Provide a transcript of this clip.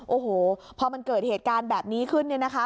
โอ้โหพอมันเกิดเหตุการณ์แบบนี้ขึ้นเนี่ยนะคะ